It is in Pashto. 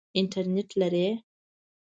انټرنټ لرئ؟